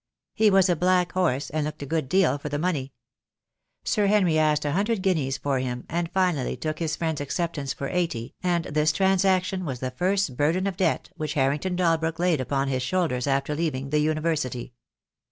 He was a black horse, and looked a good deal for the money. Sir Henry asked a hundred guineas for him, and finally took his friend's acceptance for eighty, and this transaction was the first burden of debt which Har rington Dalbrook laid upon his shoulders after leaving the University.